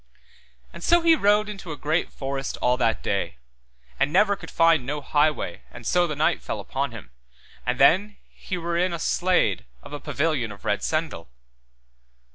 And so he rode into a great forest all that day, and never could find no highway and so the night fell on him, and then was he ware in a slade, of a pavilion of red sendal.